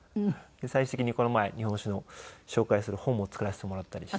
最終的にこの前日本酒を紹介する本も作らせてもらったりして。